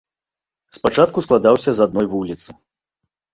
Спачатку складаўся з адной вуліцы.